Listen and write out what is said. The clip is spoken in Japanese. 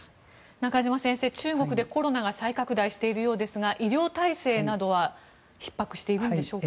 中嶋先生、中国でコロナが再拡大しているようですが医療体制などはひっ迫しているんでしょうか。